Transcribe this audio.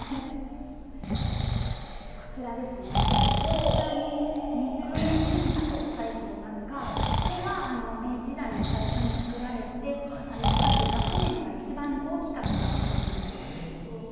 こちらに「２０円金貨」と書いていますがこれが明治時代の最初に造られてかつ額面が一番大きかったコインになります。